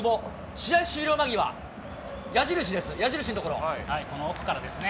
試合終了間際、この奥からですね。